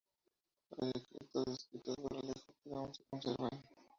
Hay decretos escritos por Alejo que aún se conservan.